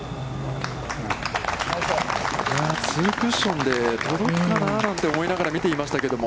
ツークッションで届くかなと思いながら見ていましたけれども。